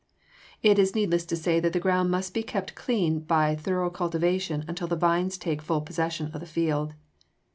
It is needless to say that the ground must be kept clean by thorough cultivation until the vines take full possession of the field.